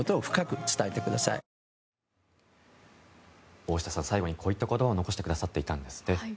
大下さん、最後にこうした言葉を残してくださっていたんですね。